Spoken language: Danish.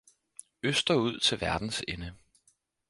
østerud til verdens ende.